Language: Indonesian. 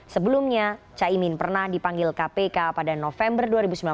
sebelumnya caimin pernah dipanggil kpk pada november dua ribu sembilan belas